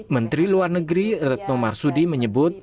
menteri luar negeri retno marsudi menyebut